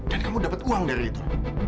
dan kamu dapet uang dari itu